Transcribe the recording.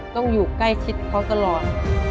ต้องอยู่ใกล้ชิดเขาตลอด